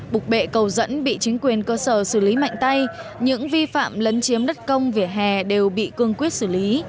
bục bệ cầu dẫn bị chính quyền cơ sở xử lý mạnh tay những vi phạm lấn chiếm đất công vỉa hè đều bị cương quyết xử lý